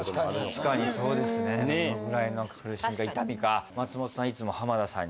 確かにそうですねねえどれぐらいの苦しみか痛みか松本さん